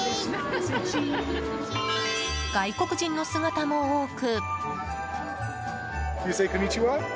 外国人の姿も多く。